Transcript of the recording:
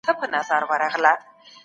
صدقه د الله تعالی د محبت د ګټلو لاره ده.